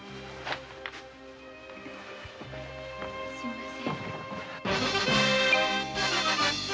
すみません。